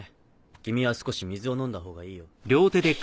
君は少し水を飲んだほうがいいよ。